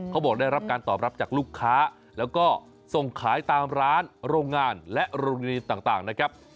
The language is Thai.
เขาบอกได้รับการตอบรับจากลูกค้าแล้วก็ส่งขายตามร้านโรงงานและโรงเรียนต่างนะครับ